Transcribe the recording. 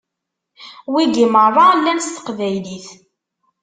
Wigi meṛṛa llan s teqbaylit.